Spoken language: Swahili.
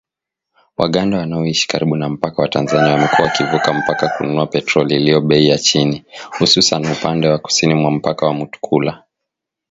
Waganda wanaoishi karibu na mpaka wa Tanzania wamekuwa wakivuka mpaka kununua petroli iliyo bei ya chini , hususan upande wa kusini mwa mpaka wa Mutukula